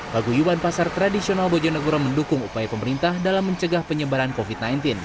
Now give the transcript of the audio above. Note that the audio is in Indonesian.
paguyuban pasar tradisional bojonegoro mendukung upaya pemerintah dalam mencegah penyebaran covid sembilan belas